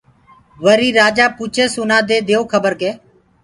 وريٚ رآجآ پوٚڇس اُنآدي ديئو کبر ڪي